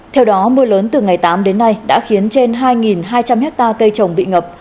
theo đó mưa lớn từ ngày tám đến nay đã khiến trên hai hai trăm linh hectare cây trồng bị ngập